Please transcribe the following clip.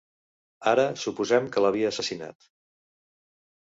Ara, suposem que l'havia assassinat.